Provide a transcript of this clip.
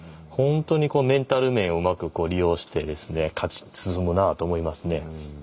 本当にこうメンタル面をうまく利用してですね勝ち進むなぁと思いますね。